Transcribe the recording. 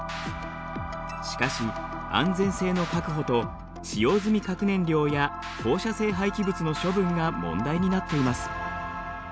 しかし安全性の確保と使用済み核燃料や放射性廃棄物の処分が問題になっています。